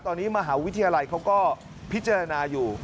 ตอนนี้มหาวิทยาลัยเขาก็พิจารณาอยู่